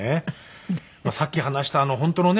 まあさっき話した本当のね